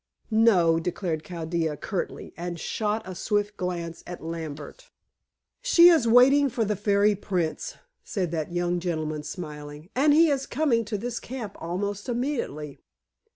"No," declared Chaldea curtly, and shot a swift glance at Lambert. "She is waiting for the fairy prince," said that young gentleman smiling. "And he is coming to this camp almost immediately."